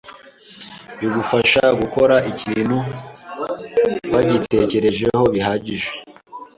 bigufasha gukora ikintu wagitekerejeho bihagije